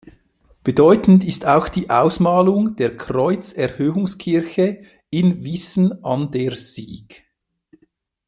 Bedeutend ist auch die Ausmalung der Kreuzerhöhungskirche in Wissen an der Sieg.